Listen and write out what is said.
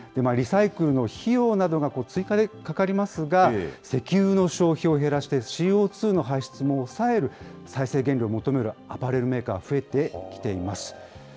リサイクルの費用などが追加でかかりますが、石油の消費を減らして、ＣＯ２の排出も抑える、再生原料を求めるアパレルメーカーが増えてきています。